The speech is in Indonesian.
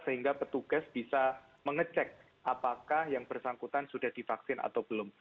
sehingga petugas bisa mengecek apakah yang bersangkutan sudah divaksin atau belum